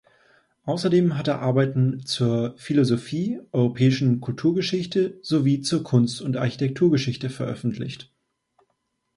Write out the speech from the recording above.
Außerdem hat er Arbeiten zur Philosophie, europäischen Kulturgeschichte sowie zur Kunst- und Architekturgeschichte veröffentlicht.